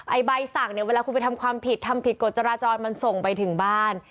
ใบสั่งเนี่ยเวลาคุณไปทำความผิดทำผิดกฎจราจรมันส่งไปถึงบ้าน